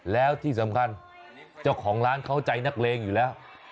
แล้วที่สำคัญเจ้าของร้านเข้าใจนักเลงอยู่แล้ว